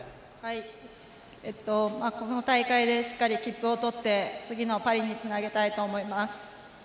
この大会でしっかり切符を取って次のパリにつなげたいと思います。